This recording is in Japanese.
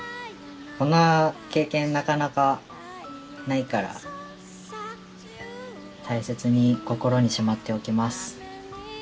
こんな経験なかなかないから大切に心にしまっておきます。